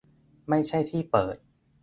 ไม่ใช่ที่เปิด